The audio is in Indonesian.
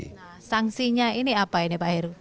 nah sanksinya ini apa ini pak heru